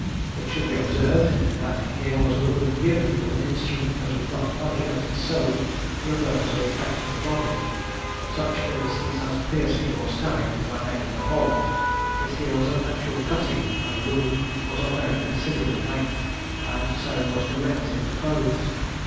It should be observed, that here there was a wound given, with an instrument that was not calculated solely for the purpose of affecting the body, such, for instance, as piercing or stabbing, by making a hole; but here was an actual cutting, and the wound was of a very considerable length, and so was the rent in the clothes.